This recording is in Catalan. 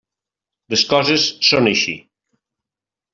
Les coses són així.